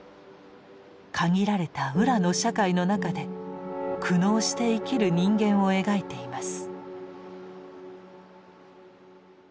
限られた「浦」の社会の中で苦悩して生きる人間を描いています。